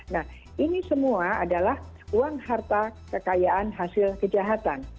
nah ini semua adalah uang harta kekayaan hasil kejahatan